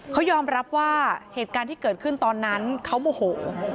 เขายอมรับว่าเหตุการณ์ที่เกิดขึ้นตอนนั้นเขาโมโห